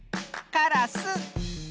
カラス。